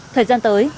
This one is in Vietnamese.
thời gian tới